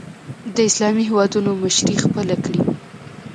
د اسلامي هېوادونو مشري خپله کړي